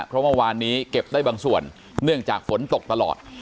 เพราะเมื่อวานนี้เก็บได้บางส่วนเนื่องจากฝนตกตลอด